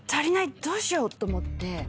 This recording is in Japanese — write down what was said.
どうしようと思って。